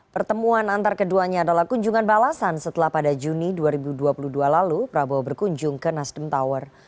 pertemuan antar keduanya adalah kunjungan balasan setelah pada juni dua ribu dua puluh dua lalu prabowo berkunjung ke nasdem tower